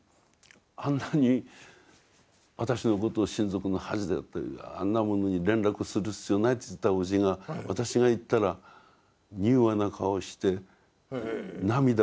あんなに私のことを親族の恥だとあんな者に連絡する必要ないって言ってたおじが私が行ったら柔和な顔して涙を出してしかも。